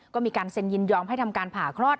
ก็มีการเซ็นยินยอมให้ทำการผ่าคลอด